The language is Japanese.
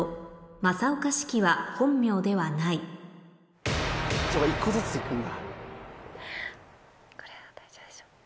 正岡子規は本名ではないそうか１個ずついくんだ。